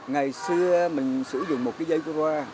ngày xưa mình sử dụng một cái dây qua